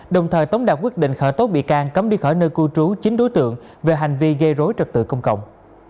đồng thời tống đạt quyết định khởi tố bị can cấm đi khỏi nơi cư trú chín đối tượng về hành vi gây rối trật tự công cộng